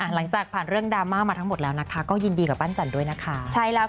หลังจากผ่านเรื่องดราม่ามาทั้งหมดแล้วนะคะก็ยินดีกับปั้นจันด้วยนะคะ